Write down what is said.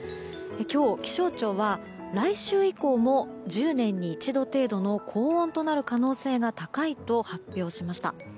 今日、気象庁は来週以降も１０年に一度程度の高温となる可能性が高いと発表しました。